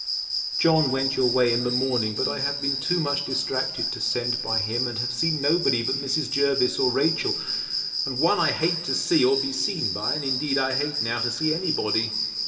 John went your way in the morning; but I have been too much distracted to send by him; and have seen nobody but Mrs. Jervis or Rachel, and one I hate to see or be seen by and indeed I hate now to see any body.